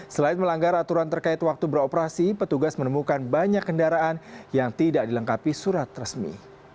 selain melanggar aturan terkait waktu beroperasi petugas menemukan banyak kendaraan yang tidak dilengkapi surat resmi